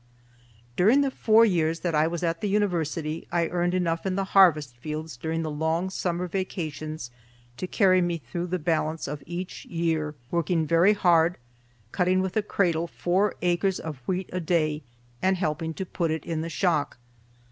During the four years that I was in the University, I earned enough in the harvest fields during the long summer vacations to carry me through the balance of each year, working very hard, cutting with a cradle four acres of wheat a day, and helping to put it in the shock.